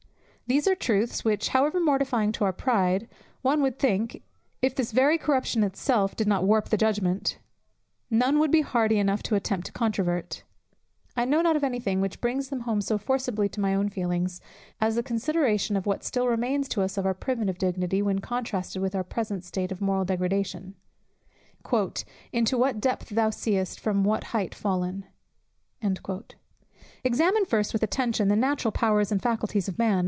These are truths which, however mortifying to our pride, one would think (if this very corruption itself did not warp the judgment) none would be hardy enough to attempt to controvert. I know not any thing which brings them home so forcibly to my own feelings, as the consideration of what still remains to us of our primitive dignity, when contrasted with our present state of moral degradation, "Into what depth thou seest, From what height fallen." Examine first with attention the natural powers and faculties of man!